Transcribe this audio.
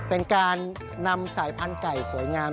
เป็นการนำสายพันธุ์ไก่สวยงาม